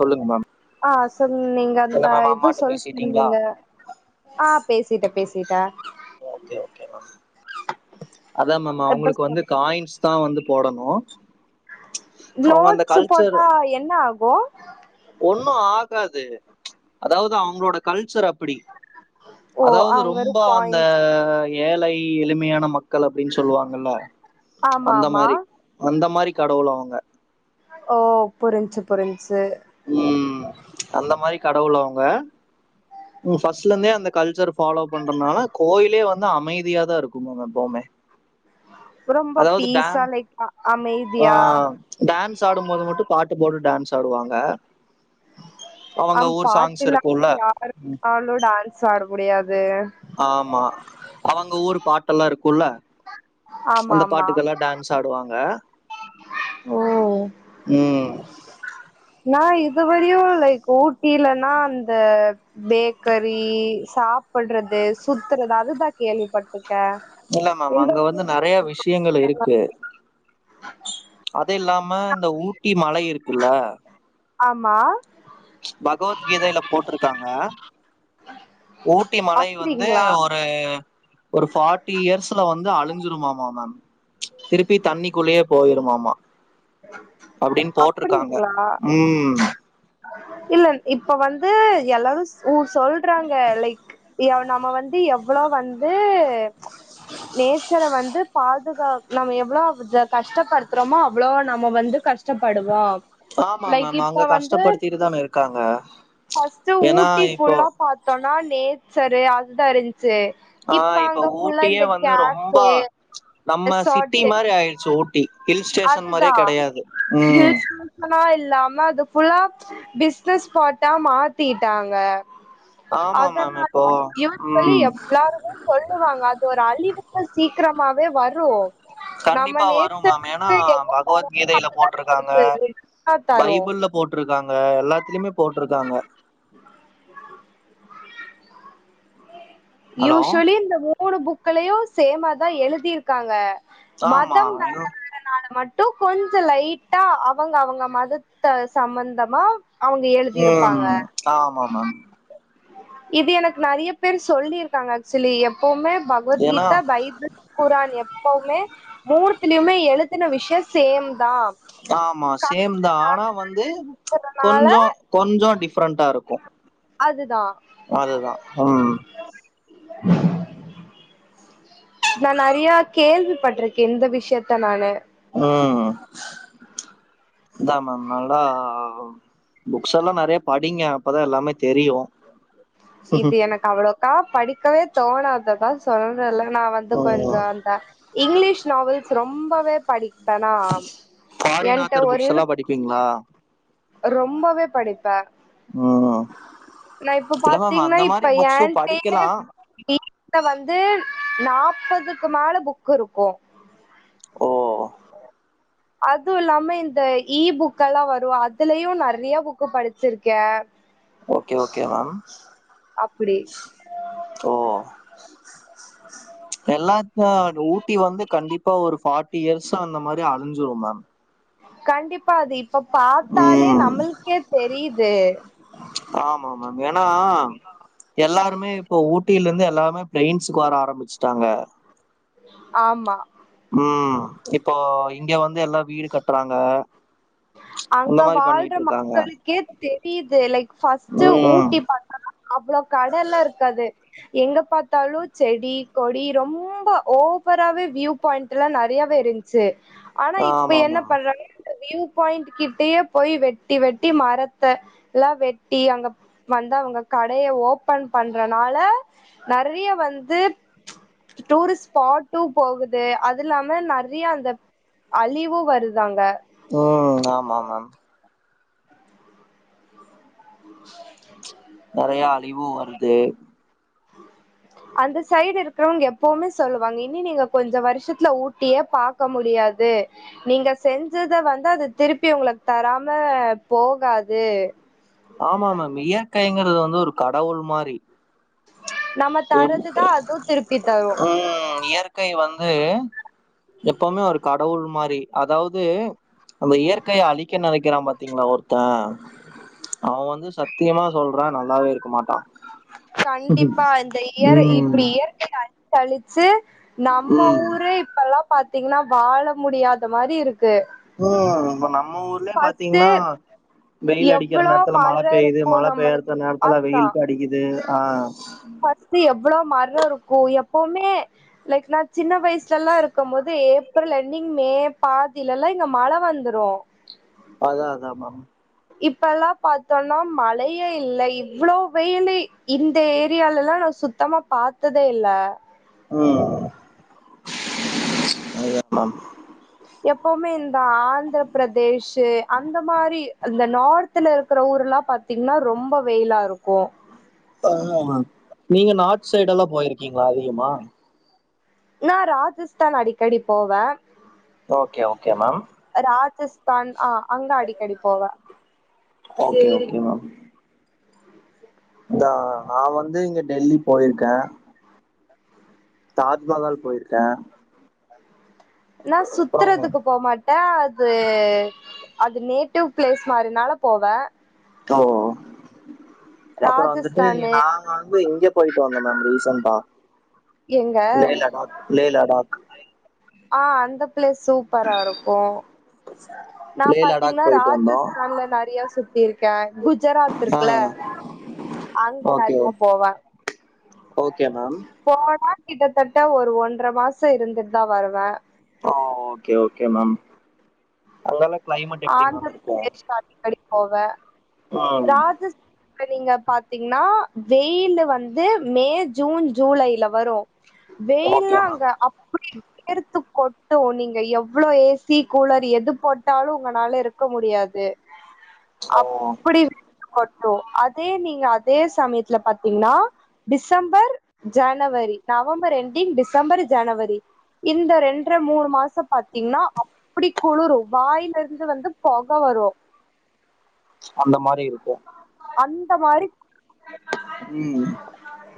சொல்லுங்க மேம் ஆ சொல் நீங்க இல்ல அந்த மேம் இது அம்மாட்ட பேசிட்டீங்களா சொல்னீங்க ஆ பேசிட்டே பேசிட்டே ஓகே ஓகே மேம் அதா மேம் இப்ப அவங்களுக்கு வந்து சொல்லு காயின்ஸ் தா வந்து போடணு அவங்க அந்த நோட்ஸ் கல்ச்சரு போட்டா என்ன ஆகு ஓ ஒன்னு ஆகாது அதாவது அவங்களோட கல்ச்சர் அப்டி ஓ அதாவது அவங்க வெறு ரொம்ப அந்த காயின்ஸ் ஏழை எளிமையான மக்கள் அப்டின்னு சொல்லுவாங்கல்ல ஆமா அந்த ஆமா மாரி அந்த மாரி கடவுள் அவங்க ஓ புரிஞ்சி புரிஞ்சி ம் அந்த மாரி கடவுள் அவங்க ம் ஃபஸ்ட்லந்தே அந்த கல்ச்சர் ஃபாலோ பண்றனால கோயிலே வந்து அமைதியா தா இருக்கு மேம் எப்போவுமே ரொம்ப பீஸா டான் லைக் அ அமைதியா டான்ஸ் ஆடும்போது மட்டு பாட்டு போட்டு டான்ஸ் ஆடுவாங்க ஆ அவங்க ஊர் சாங்ஸ் பாட்டுலா இருக்குல்ல இல்லாம யாராலு டான்ஸ் ஆட முடியாது ஆமா அவங்க ஊரு பாட்டெல்லா இருக்குல ஆமா அந்த ஆமா பாட்டுக்கெல்லா டான்ஸ் ஆடுவாங்க ஓ ம் நா இதுவரையு லைக் ஊட்டிலன்னா அந்த பேக்கெரி சாப்பட்றது சுத்துறது அதுதா கேள்விப்பட்ருக்கே இல்ல மேம் இந்த அங்க வந்து நெறைய விஷயங்கள் இருக்கு அது இல்லாம இந்த ஊட்டி மலை இருக்கில்ல ஆமா பகவத்கீதையில போட்ருக்காங்க ஊட்டி மலை வந்து அப்டிங்களா ஒரு ஒரு ஃபார்ட்டி இயர்ஸ்ல வந்து அழிஞ்சிருமாமா மேம் திருப்பி தண்ணிக்குள்ளயே போயிருமாமா அப்டின்னு போட்ருக்காங்க அப்டிங்களா ம் இல்ல இப்ப வந்து எல்லாரும் உ சொல்றாங்க லைக் எ நம்ப வந்து எவ்ளோ வந்து நேச்சர வந்து பாதுகாக் நம்ப எவ்ளோ கஷ்டப்படுத்துறோமோ அவ்ளோ நம்ப வந்து கஷ்டப்படுவோ லைக் இப்ப வந்து க்காங்க ஃபர்ஸ்ட்டு ஊட்டி ஃபுல்லா பாத்தோனா நேச்சரு அதுதான் இருந்ச்சு ஆ இப்ப அங்க ஃபுல்லா ஊட்டியே இந்த வந்து ரொம்ப க்யஃபே நம்ம சிட்டி ரெசாட்டூ மாரி ஆயிடுச்சு ஊட்டி ஹில் ஸ்டேஷன் மாரியே அதுதா கெடையாது ம் [inaudible] மனா இல்லாம அது ஃபுல்லா பிஸ்னஸ் ஸ்பாட்டா மாத்திட்டாங்க ஆமா மேம் இப்போ அதனாலா யூஸ்வலி சொல்லி ம் எவ்லாருமே சொல்லுவாங்க அதுஒரு அழிவுக்கு சீக்ரமாவே வரும் கண்டிப்பா வரும் மேம் ஏனா என்ன தரோமோ பகவத்கீதைல அதுதா போட்ருகாங்க நம்மளுக்கு ரிட்டனா தரு பைபிள்ல போட்ருகாங்க எல்லாத்லிமே போட்ருகாங்க ஹலோ யூஷ்யலி இந்த மூணு புக்கலயும் சேமா தான் எழுது காங்க ஆமா மதம் வேற என்ன- வேறநால மட் டு கொஞ்ச லைட்டா அவங்க அவங்க மதத்த சமந்தமா அவுங்க எழுதிருபாங்க ம் ஆமா மேம் இது எனக்கு நெறைய பேர் சொல்லிருகாங்க ஆக்சுலி எப்புமே ஏன்னா பகவத்கீதா பைபிள் குரான் எப்பவுமே மூணுத்லியுமே எழுதுன விஷய சேம் தான் ஆமா சேம் தான் ஆனா வந்து இருக்கறனால கொஞ்ஜோ கொஞ்ஜோம் டிஃப்ரெண்டா இருக்கும் அதுதான் அதுதான் ம் நா நறியா கேள்விபட்ருகே இந்த விஷயத்தநானு ம் அதான் மேம் நாளா புக்ஸ் எல்லா நெறய படிங்க அப்பதான் எல்லாமே தெரியும் இது எனக் அவ்வளோக்கா படிக்கவே தோணாது அதான் சொல்றல்ல நா வந்து ஓ கொஞ்ஜோ அந்தா இங்கிலீஷ் நாவல்ஸ் ரொம்பவே படிப் டனா ஃபாரின் என்ட்ட ஆத்தர் ஒரு புக்ஸ் எல்லா இருக் படிப்பீங்களா ரொம்பவே படிப்பன் ம் இல்ல மேம் பாத்தீங்ன்னா அந்த மாரி இப்ப புக்ஸு என்டயே படிக்கலா வீட்ல வந்து நாப்பதுக்குமேலெ புக் இருக்கூ ஓ அதுவு இல்லாம இந்த இ புக்காலா வரு அதுலயு நறைய புக்கு படிச்சிருக்கேன் ஓக்கே ஓக்கே மேம் அப்டி ஓ எல்லா த ஊட்டி வந்து கண்டிபா ஒரு ஃபாட் டியர்சா அந்த மாரி அழிஞ்சுரு மேம் கண்டிப்பா அது இப்ப பாத்தாலே ம் நம்முளுக்கே தெரியுது ஆமா மேம் ஏன்னா எல்லாருமே இப்போ ஊட்டிலருந்து எல்லாமே ப்லைன்ஸ்க்கு வர ஆரமிச்டாங்க ஆமா ம் இப்போ இங்கவந்து எல்லா வீடுகட்றாங்க அங்க வால்ற மக்களுக்கே தெரியுது லைக் ஃபஸ்ட் ம் ஊட்டி பாத்தோனா அவ்ளோ கடல்லா இருக்காது எங்க பாத்தாலூ செடி கொடி ரொம்ப ஓவராவே வியூ ப்பாய்ண்ட்லா நறயவே இருந்ச்சு ஆனா இப்ப ஆமா என்ன மேம் பண்றாங்க இந்த வியூப் பாயிண்ட் கிட்டயே போய் வெட்டி வெட்டி மரத்த ல்லா வெட்டி அங்கப் வந்தா அவங்க கடய ஓபன் பண்றனால நறய வந்து டூரிஸ்ட் ஸ்பாட்டு போகுது அது இல்லாம நறய அந்தப் அழிவு வருது அங்க ம் ஆமா மேம் நெறயா அழிவூ வருது அந்த சைடு இருக்கறவ்ங்க எப்பவுமே சொல்லுவாங்க இன்னி நீங்க கொஞ்சோ வருஷத்துல ஊட்டியே பாக்க முடியாது நீங்க செஞ்சத வந்து அது திருப்பி உங்களுக்கு தராம போகாது ஆமா மேம் இயற்கைங்கறது வந்து ஒரு கடவுள் மாரி நம்ம எப் தரதுதா அதுவு திருப்பி தரு ம் இயற்க் கை வந்து எப்பவுமே ஒரு கடவுள் மாரி அதாவுது அந்த இயற்கய அழிக்க நெனைக்கிறா பாத் தீங்ளா ஒருத்தே அவ வந்து சத்தியமா சொல்றே நல்லாவே இருக்க மாட்டா ம் கண்டிப்பா இந்த இயற் ம் இப்டி இயற்கய அழிச்சு அழிச்சு நம்ம ம் ஊரு இப்பெல்லா பாத்தீங்கனா வாழ முடியாத மாரி இருக்கு ம் இப்ப நம்ம ஊர்லயே ஃபஸ்ட்டு பாத்தீங்ன்னா வெயில் அடிக்கிற எவ்ளோ நேரத்துல மழ மர பெய்யுது இருக்கு மழ நம்மளுக்கு பெய்யறத்து நேர்த்துல வெயில் அடிக்குது ஆ ஃபஸ்ட்டு எவ்ளோ மரோ இருக்கூ எப்பவுமே லைக் நா சின்ன வயசுல்லா இருக்கம் போது ஏப்ரல் என்டிங் மே பாதிலல்லா இங்க மழ வந்துரூ அதா அதா மேம் இப்பெல்லா பார்த்தோன்னா மழையே இல்ல இவ்ளோ வெயிலு இந்த ஏரியாலெல்லா நா சுத் தமா பாத்ததே இல்ல ம் அது கரெக்ட் தா எப்போமே இந்த ஆந்திர பிரதேஷு அந்த மாரி அந்த நார்த் த்துல இருக்குற ஊர்ல்லா பாத்தீங்கன்னா ரொம்ப வெயில்லா இருக்கோ அதூதா மேம் நீங்க நார்த் சைடெல்லா போயிருக்கீங்ளா அதிகமா நா ராஜஸ்தான் அடிக்கடி போவே ஓக்கே ஓக்கே மேம் ராஜஸ்தான் ஆ அங்க அடிக்கடி போவே ஓகே ஓகே மேம் இதா நா வந்து இங்க டெல்லி போயிருக்கோ தாஜ்மஹால் போயிருக்கோ நா சுத்தறதுக்கு போமாட் டே அது அது நேட்டிவ் பிளேஸ் மாரினால போவே தோ அப்பறோ வந்துட்டு ராஜஸ்தானு நாங்க வந்து இங்கே போயிட்டு வந்தோ மேம் ரீசன்ட்டா எங்க லே லடாக் லே லடாக் ஆ அந்த பிளேஸ் சூப் ப்பரா இருக்கு நா லே லடாக் பாத்தீங்கன்னா போயிட்டு வந்தோ ராஜஸ்தான்ல நெறைய சுத் திருக்க குஜராத் ஆ இருக்குல அங்க ஓகே ஓ நெறைய போவ ஓகே மேம் போனா கிட்டத்தட்ட ஒரு ஒன்ற மாசோ இருந்துட்டுதா வருவ அ ஓகே ஓகே மேம் அங்கெல்லா கிளைமேட் எப்டி மேம் இருக்கு [unintelligible] போவ ம் ராஜஸ் இப்ப நீங்க பாத்தீங்ன்னா வெயில் வந்து மே ஜூன் ஜூலைல வரு ஓகே வெயில்லா அங்க மேம் அப் அப்டி வேர்த்து கொட்டு நீங்க எவ்ளோ ஏசி கூலர் எது போட்டாலு உங்கனால இருக்க முடியாது ஓ அப்டி கொட்டு அதே நீங்க அதே சமயத்துல பாத்தீங்ன்னா டிசம்பர் ஜனவரி நவம்பர் என்டிங் டிசம்பர் ஜனவரி இந்த ரெண்ற மூணு மாசோ பாத்தீங்ன்னா அப்டி குளுரு வாயில இந்து வந்து பொக வரு அந்த மாரி இருக்கு அந்த மாரி ம்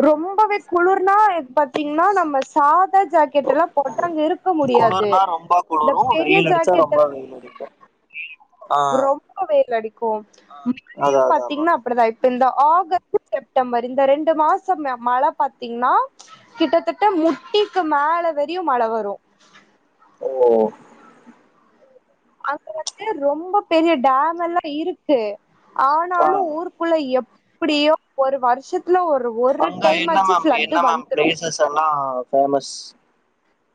ரொம்பவே குளுர்னா இப் பத் பாத்தீங்னா நம்ம சாதா ஜாக்கெட்ல்லா போட்டா அங்க இருக்க முடியாது குளுர்னா ரொம்ப இந்த குளுரூ பெரிய வெயிலடிச்சா ஜாக்கெட் ரொம்ப வெயில் அடிக்கூ ஆ ரொம்ப வேல் அடிக்கூ அதா அதாமா அப்டிதா இப்ப இந்த ஆகஸ்ட்டு செப்டம்பரு இந்த ரெண்டு மாசோ மழ பாத்தீங்ன்னா கிட்டத்தட்ட முட்டிக்கி மேல வரியூ மழ வரு ஓ அங்க வந்து ரொம்ப பெரிய டாமெல்லா இருக்கு ஆ ஆனாலு ஊர் குள்ள எப்டியோ ஒரு வருஷத்துல ஒரு ஒரு அங்க டைம் என்ன ஆச்சு மேம் ஃப்ளட் என்ன மேம் வந்துரும். பிளேசஸ்ஸல்லா பேஃமஸ்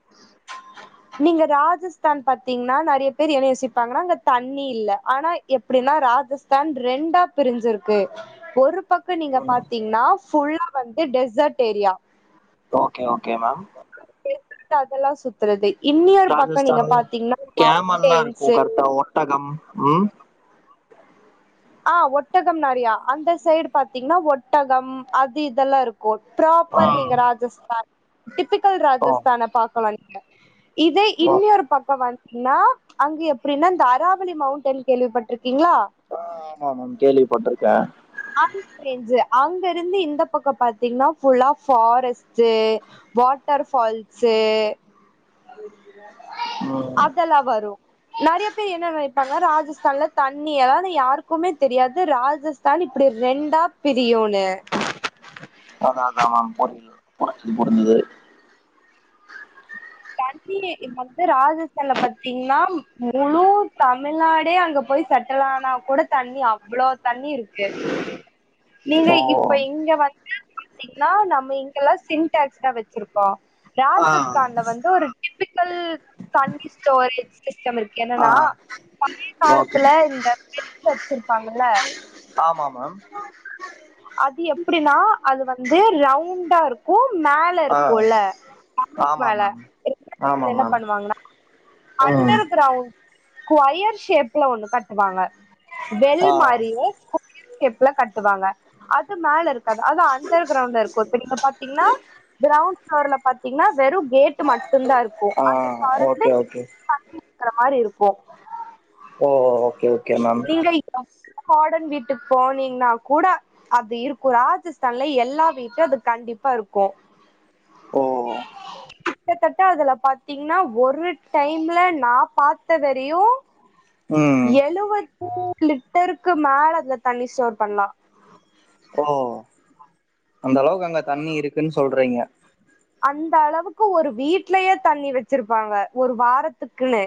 [inaudible] நீங்க ராஜஸ்தான் பாத்தீங்ன்னா நெறய பேரு எத யோசிப்பாங்கனா அங்க தண்ணி இல்ல ஆனா எப்டினா ராஜஸ்தான் ரெண்டா பிரிஞ்சுருக்கு ஒரு பக்க நீங்க ம் பாத்தீங்ன்னா ஃபுல்லா வந்து desert area okay okay ma'am desert அதெல்லா சுத்துறது இன்னியொரு பக்கோ நீங்க ராஜஸ்தான் பாத்தீங்ன்னா கேமல்லா இருக்கு மவ்ன்டேன்ஸூ கரெக்டா ஒட்டகம் ம் ஆ ஒட்டகம் நெறயா அந்த சைடு பாத்தீங்ன்னா ஒட்டகம் அது இதெல்லா இருக் கொட்ராப்பரு நீங்க ஓ ராஜஸ்தான் டிப்பிக்கல் ராஜஸ்தான பாக்கலா நீங்க இதே ஓ இன்னொரு பக்கோ வந்துன்னா அங்கு எப்டினா இந்த அராவுளி மவுண்ட் டன் ந கேள்விப்பட்ருக்கீங்ளா ஆ ஆமா மேம் கேள்விப்பட்ருக்கே அங்டேன்ஜு அங்கருந்து இந்த பக்கோ பாத்தீங்ன்னா ஃபுல்லா ஃபாரஸ்ட்டு வாட்டர் ஃபால்ஸூ ம் அதெல்லா வரூ நெறய பேரு என்ன நெனப்பாங்க ராஜ ராஜஸ்தான்ல தண்ணி எலாது யாருக்குமே தெரியாது ராஜஸ்தான் இப்டி ரெண்டா பிரியூனு அதா அதா மேம் புரில் புரிஞ்சுது புரிஞ்சுது தண்ணி இப்ப வந்து ராஜஸ்தான்ல பாத்தீங்ன்னா முழு தமிழ்நாடே அங்க போய் சட் டலனா கூட தண்ணி அவ்ளோ தண்ணி இருக்கு [inaudible] நீங்க ஓ இப்ப இங்க வந் பாத்தீங்ன்னா நம்ம இங்கெல்லா சின்டாக்ஸ் தா வச்சிருக்கோ ஆ ராஜஸ்தான்ல வந் து ஒரு டிப்பிக்கல் தண்ணி ஸ்டோரேஜ் சிஸ்டம் இருக்கு ஆ என்னனா பழைய ஓகே காலத்துல இந்த [unintelligible] வச்சுருப்பாங்கல்ல ஆமா மேம் அது எப்டினா அது வந்து ரவுண்டா இருக்கூ ம ஆ ஆமா மேம் ஆமா [unintelligible] என்ன மேம் பண்வாங்ன்னா ம் அண்டர் க்ரவுண் கொயர் ஷேஃப்ல ஒண்ணு கட்டுவாங்க வெல் ஆ மாரியே கேப்ல கட்டுவாங்க அது மேல இருக்காது அது அண்டர் க்ரவுண்டல இருக்கூ இப்ப நீங்க பாத்தீங்ன்னா க்ரவுண்ட் ஃப்ளோர்ல பாத்தீங்ன்னா வெறு கேட்டு மட்டுந்தா இருக்கூ ஆ ஓக்கே ஓக்கே இருக்கற மாரி இருக்கூ ஓ ஓக்கே ஓக்கே மேம் நீங்கள் [unintelligible] மாடன் வீட்டுக் போனீங்ன்னா கூட அது இருக்கோ ராஜஸ்தான்ல எல்லா வீட்ல அது கண்டிப்பா இருக்கோ ஓ கிட்டத்தட்ட அதுல பாத்தீங்ன்னா ஒரு டைம்ல நா பாத்த வரியு ம் எலுவத்து லிட்டருக்கு மேல அதுல தண்ணி ஸ்டோர் பண்லா ஓ அந்த அளவுக்கு அங்க தண்ணி இருக்குன் சொல்றீங்க அந்த அளவுக்கு ஒரு வீட்லயே தண்ணி வச்சிருப்பாங்க ஒரு வாரத்துக்குனு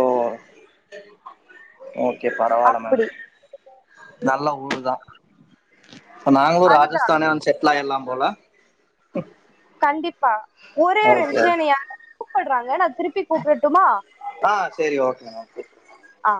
ஓ ஓகே பரவால மேம் அப்டி நல்ல ஊரு தா ப்ப நாங்களு அதுதா ராஜஸ்தானே வந்து செட்ல்லாயர்ல்லாம் போல கண்டிப்பா ஒரே ஒரு ஓகே விஷ்யோ என்னய யாரோ கூப்புட்றாங்க நா திருப் பி கூப்பட்டுமா ஆ சரி ஓகே மேம் ஆ